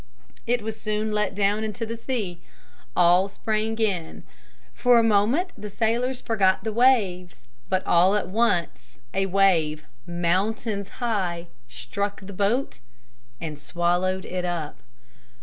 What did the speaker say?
It was soon let down into the sea. All sprang in. For a moment the sailors forgot the waves, but all at once a wave, mountains high, struck the boat and swallowed it up.